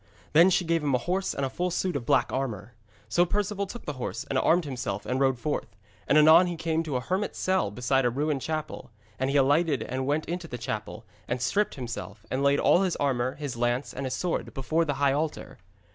Then she gave him a horse and a full suit of black armour. So Perceval took the horse, and armed himself and rode forth. And anon he came to a hermit's cell beside a ruined chapel, and he alighted and went into the chapel, and stripped himself, and laid all his armour, his lance, and his sword, before the high altar.